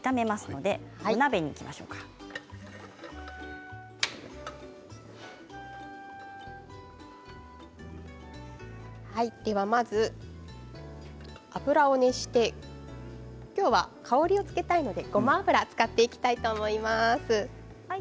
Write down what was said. では、まず油を熱して今日は香りをつけたいのでごま油を使っていきたいと思います。